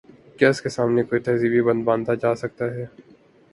کیا اس کے سامنے کوئی تہذیبی بند باندھا جا سکتا ہے؟